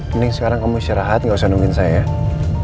mending sekarang kamu istirahat gak usah nungguin saya